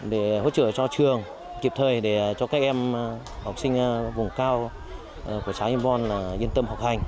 để hỗ trợ cho trường kịp thời để cho các em học sinh vùng cao của xã hiê bon yên tâm học hành